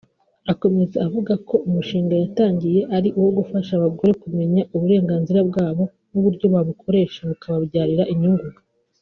Akomeza avuga ko umushinga yatangiye ari uwo gufasha abagore kumenya uburenganzira bwabo n’uburyo babukoresha bukababyarira inyungu